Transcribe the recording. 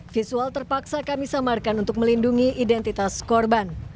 visual terpaksa kami samarkan untuk melindungi identitas korban